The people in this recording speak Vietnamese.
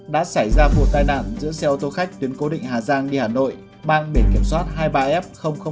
đã xảy ra vụ tai nạn giữa xe ô tô khách tuyến cố định hà giang đi hà nội mang biển kiểm soát hai mươi ba f một